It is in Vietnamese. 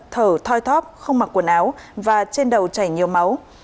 thở thoi thóp không mặc quần áo và trên đầu chảy nhiều máu